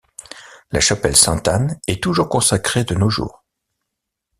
La chapelle Sainte-Anne est toujours consacrée de nos jours.